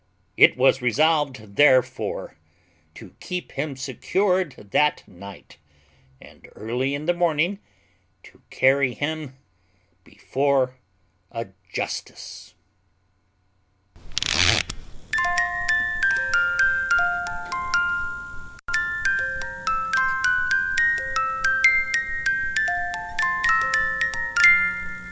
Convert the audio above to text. It was resolved, therefore, to keep him secured that night, and early in the morning to carry him before a justice.